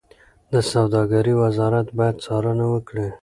د سوداګرۍ وزارت باید څارنه وکړي.